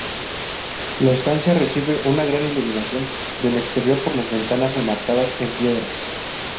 La estancia recibe una gran iluminación del exterior por las ventanas enmarcadas en piedra.